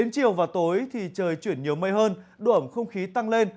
giờ vào tối thì trời chuyển nhiều mây hơn đủ ẩm không khí tăng lên